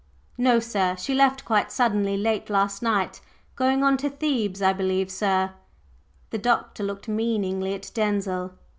"No, sir. She left quite suddenly late last night; going on to Thebes, I believe, sir." The Doctor looked meaningly at Denzil.